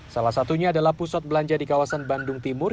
salah satunya adalah pusat belanja di kawasan bandung timur